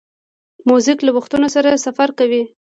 موزیک له وختونو سره سفر کوي.